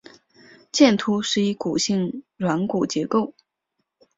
剑突是一骨性软骨结构。